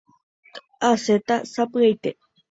Asẽta sapy'aite.